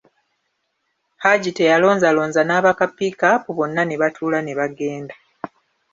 Haji teyalonzalonza n'abaka piikaapu bonna nebatuula nebagenda.